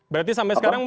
berarti sampai sekarang